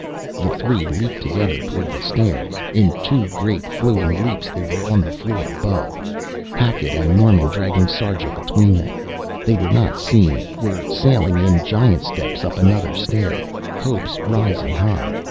The three leaped together toward the stairs. In two great floating leaps they were on the floor above, Hackett and Norman dragging Sarja between them. They were not seen, were sailing in giant steps up another stair, hopes rising high.